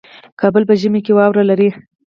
کابل په ژمي کې واوره لري